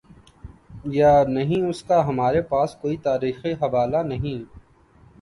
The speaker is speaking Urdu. یانہیں، اس کا ہمارے پاس کوئی تاریخی حوالہ نہیں۔